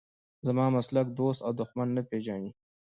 زما مسلک دوست او دښمن نه پېژني.